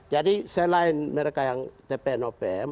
jadi selain mereka yang tpnopm